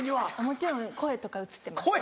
もちろん声とかうつってます。